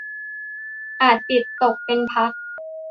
อาจจิตตกเป็นพัก